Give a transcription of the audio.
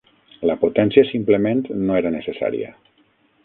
La potència simplement no era necessària.